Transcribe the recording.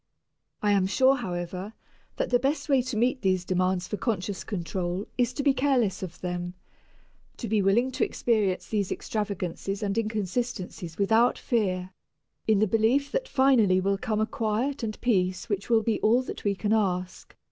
I am sure, however, that the best way to meet these demands for conscious control is to be careless of them, to be willing to experience these extravagances and inconsistencies without fear, in the belief that finally will come a quiet and peace which will be all that we can ask.